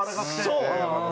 そう！